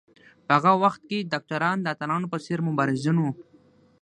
په هغه وخت کې ډاکټران د اتلانو په څېر مبارزین وو.